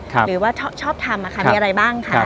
หรือว่าชอบทำมีอะไรบ้างคะ